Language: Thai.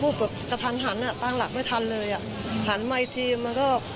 พูดสิทธิ์ข่าวธรรมดาทีวีรายงานสดจากโรงพยาบาลพระนครศรีอยุธยาครับ